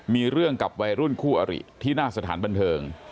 มีเรื่องกับวัยรุ่นคู่อริที่หน้าสถานบันเทิง